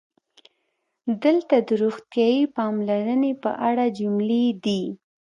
دلته د "روغتیايي پاملرنې" په اړه جملې دي: